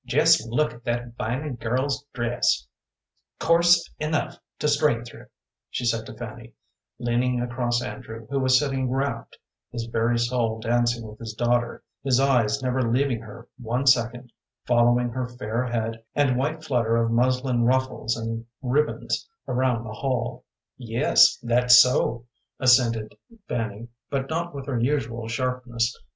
"Jest look at that Vining girl's dress, coarse enough to strain through," she said to Fanny, leaning across Andrew, who was sitting rapt, his very soul dancing with his daughter, his eyes never leaving her one second, following her fair head and white flutter of muslin ruffles and ribbons around the hall. "Yes, that's so," assented Fanny, but not with her usual sharpness.